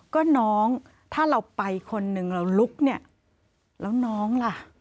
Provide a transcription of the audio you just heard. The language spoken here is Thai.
ก็น้องถ้าเราไปคนหนึ่งเราลุกเนี่ยแล้วน้องล่ะ